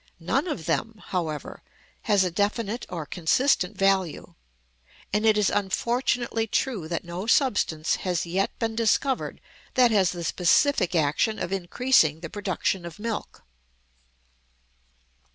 None of them, however, has a definite or consistent value; and it is unfortunately true that no substance has yet been discovered that has the specific action of increasing the production of milk.